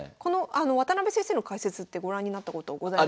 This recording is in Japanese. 渡辺先生の解説ってご覧になったことございますか？